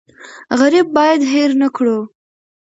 غریب باید هېر نکړو.